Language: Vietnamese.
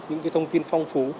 những thông tin phong phú